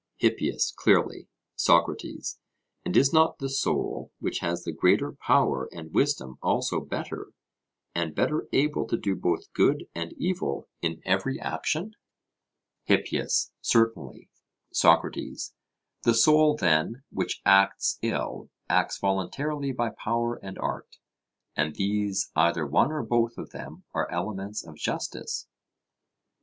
HIPPIAS: Clearly. SOCRATES: And is not the soul which has the greater power and wisdom also better, and better able to do both good and evil in every action? HIPPIAS: Certainly. SOCRATES: The soul, then, which acts ill, acts voluntarily by power and art and these either one or both of them are elements of justice?